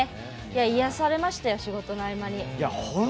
癒やされましたよ、仕事の合間に。